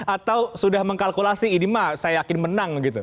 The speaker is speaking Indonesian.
atau sudah mengkalkulasi ini mah saya yakin menang gitu